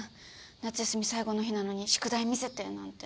夏休み最後の日なのに宿題見せてなんて。